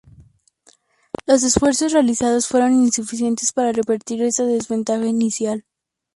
Los esfuerzos realizados fueron insuficientes para revertir esta desventaja inicial.